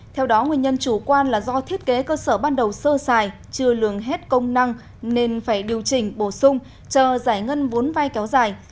theo đó nguyên nhân chủ quan là do thiết kế cơ sở ban đầu sơ xài chưa lường hết công năng nên phải điều chỉnh bổ sung chờ giải ngân vốn vai kéo dài